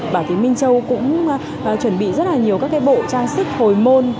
và thì minh châu cũng chuẩn bị rất là nhiều các cái bộ trang sức hồi môn